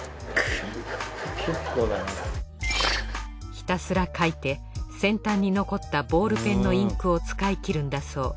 ひたすら書いて先端に残ったボールペンのインクを使い切るんだそう。